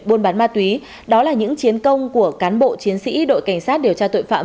buôn bán ma túy đó là những chiến công của cán bộ chiến sĩ đội cảnh sát điều tra tội phạm